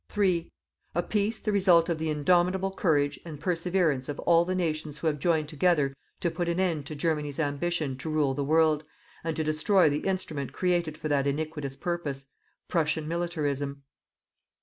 3. A peace the result of the indomitable courage and perseverance of all the nations who have joined together to put an end to Germany's ambition to rule the world, and to destroy the instrument created for that iniquitous purpose: Prussian militarism.